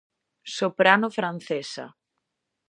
Soprano francesa.